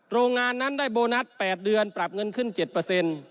โรงงานนั้นได้โบนัส๘เดือนปรับเงินขึ้น๗